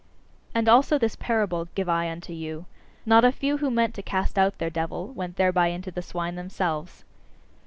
And also this parable give I unto you: Not a few who meant to cast out their devil, went thereby into the swine themselves.